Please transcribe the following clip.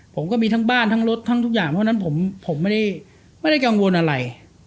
ผมก็มีทั้งบ้านทั้งรถทั้งทุกอย่างเพราะฉะนั้นผมไม่ได้กังวลอะไร